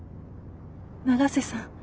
永瀬さん。